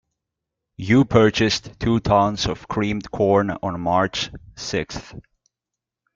You purchased two tons of creamed corn on March sixth.